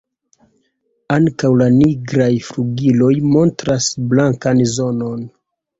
Ankaŭ la nigraj flugiloj montras blankan zonon.